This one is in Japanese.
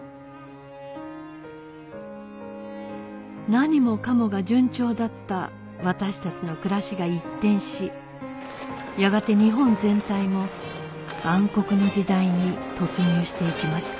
何もかもが順調だった私たちの暮らしが一転しやがて日本全体も暗黒の時代に突入していきました